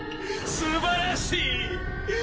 すばらしい！